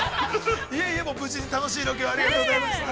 ◆無事に楽しいロケをありがとうございました。